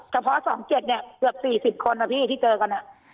เฉพาะสองเจ็ดเนี้ยเกือบสี่สิบคนอ่ะพี่ที่เจอกันอ่ะ